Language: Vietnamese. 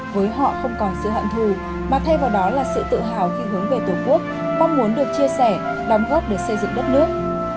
với họ không còn sự hận thù mà thay vào đó là sự tự hào khi hướng về tổ quốc mong muốn được chia sẻ đóng góp để xây dựng đất nước